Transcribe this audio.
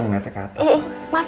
pegang netek ke atas